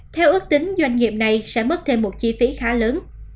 theo ước tính doanh nghiệp này sẽ mất thêm một chi phí khá lớn